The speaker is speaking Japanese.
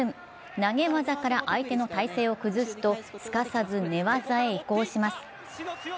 投げ技から相手の体勢を崩すとすかさず寝技へ移行します。